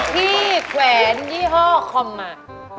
พี่แขวนยี่ห้อคอมใหม่